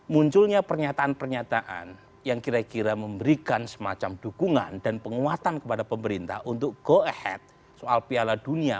munculnya pernyataan pernyataan yang kira kira memberikan semacam dukungan dan penguatan kepada pemerintah untuk go ahead soal piala dunia